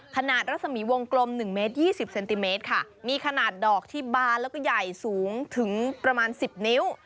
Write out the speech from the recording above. รัศมีวงกลม๑เมตร๒๐เซนติเมตรค่ะมีขนาดดอกที่บานแล้วก็ใหญ่สูงถึงประมาณ๑๐นิ้ว